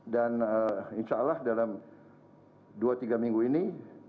dan insya allah dalam dua tiga minggu ini